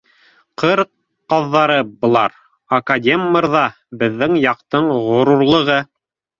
Ҡыр ҡаҙҙары былар, академ мырҙа, беҙҙең яҡтың ғорурлығы